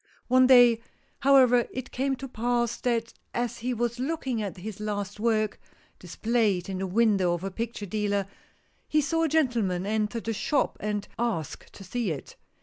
One day, however, it came to pass, that as he was looking at his last work, displayed in the window of a picture dealer, he saw a gentleman enter the shop and ask to see it.